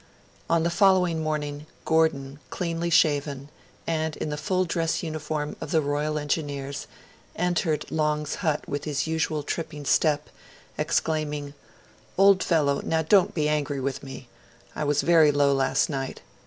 On the following morning, Gordon, cleanly shaven, and in the full dress uniform of the Royal Engineers, entered Long's hut with his usual tripping step, exclaiming 'Old fellow, now don't be angry with me. I was very low last night.